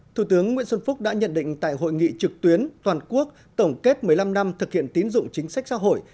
thủ tướng nguyễn xuân phúc đã nhận định tại hội nghị trực tuyến toàn quốc tổng kết một mươi năm năm thực hiện tín dụng chính sách xã hội